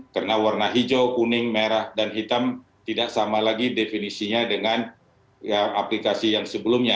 karena warna hijau kuning merah dan hitam tidak sama lagi definisinya dengan aplikasi yang sebelumnya